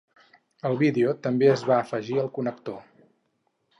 El vídeo també es va afegir al connector.